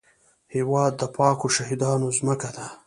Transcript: هېواد د پاکو شهیدانو ځمکه ده